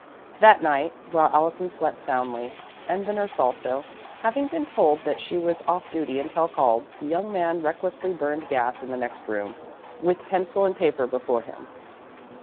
That night, while Allison slept soundly, and the nurse also, having been told that she was off duty until called, the young man recklessly burned gas in the next room, with pencil and paper before him.